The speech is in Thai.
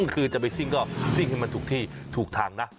คือจะไปซิ่งก็ซิ่งให้มันถูกที่ถูกทางนะ